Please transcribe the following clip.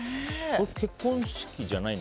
結婚式じゃないんだ。